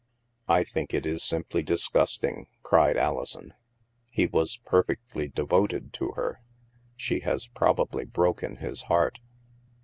" I think it is simply disgusting," cried Alison. " He was perfectly devoted to her. She has prob ably broken his heart."